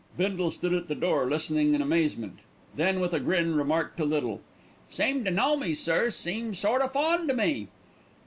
Bindle stood at the door listening in amazement; then with a grin remarked to Little: "Seem to know me, sir; seem sort o' fond of me."